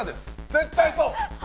絶対そう！